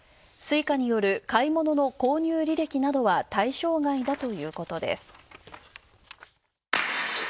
Ｓｕｉｃａによる買い物の購入履歴などは対象外だということです。